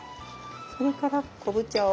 それから昆布茶を。